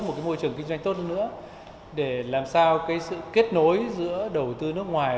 một cái môi trường kinh doanh tốt hơn nữa để làm sao cái sự kết nối giữa đầu tư nước ngoài